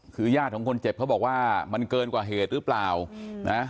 คือญาติของคนเจ็บเขาบอกว่ามันเกินกว่าเหตุหรือเปล่านะ